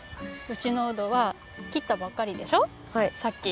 うちのうどはきったばっかりでしょさっき。